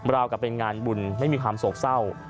ราวกับเป็นงานบุญไม่มีความโศกเศร้า